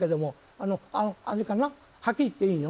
あのあれかなはっきり言っていいの？